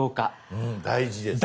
うん大事ですね。